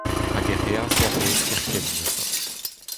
Hag ec'h eas er-maez kerkent neuze.